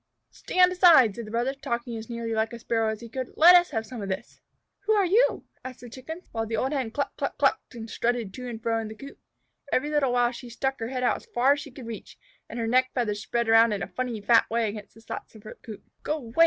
"Stand aside!" said the brother, talking as nearly like a Sparrow as he could. "Let us have some of this!" "Who are you?" asked the Chickens, while the old Hen cluck cluck clucked and strutted to and fro in the coop. Every little while she stuck her head out as far as she could reach, and her neck feathers spread around in a funny, fat way against the slats of her coop. "Go away!"